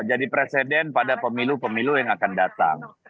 jadi presiden pada pemilu pemilu yang akan datang